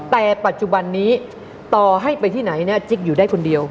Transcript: แต่ปัจจุบันนี้ต่อให้ไปที่ไหนเนี่ยจิ๊กอยู่ได้คนเดียว